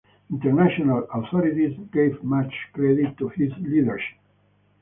International authorities gave much credit to his leadership.